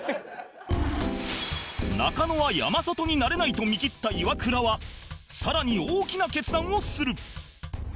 中野は山里になれないと見切ったイワクラは更に大きな決断をする